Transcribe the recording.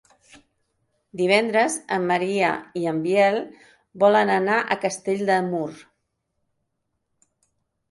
Divendres en Maria i en Biel volen anar a Castell de Mur.